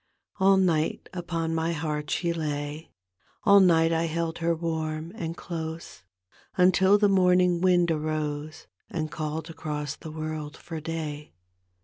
All night upon my heart she lay, All night I held her warm and close, Until the morning wind arose And called across the world for day.